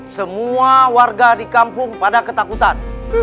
semua warga di kampung pada ketakutan